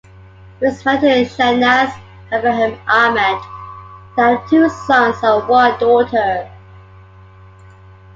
He is married to Shanaz Ibrahim Ahmed and have two sons and one daughter.